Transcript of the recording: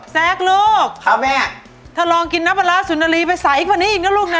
แซคลูกถ้ารองกินน้ำปลาสุนลีไปสายอีกวันนี้อีกนะลูกนะ